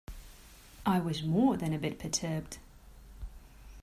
I was more than a bit perturbed.